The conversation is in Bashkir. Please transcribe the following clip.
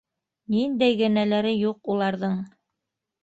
Ниндәй генәләре юҡ уларҙың!